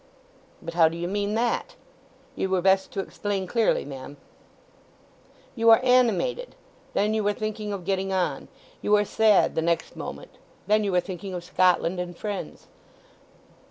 "But how do you mean that? Ye were best to explain clearly, ma'am." "You are animated—then you are thinking of getting on. You are sad the next moment—then you are thinking of Scotland and friends."